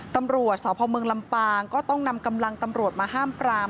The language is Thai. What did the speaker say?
ตำรวจสพเมืองลำปางก็ต้องนำกำลังตำรวจมาห้ามปราม